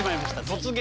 「突撃！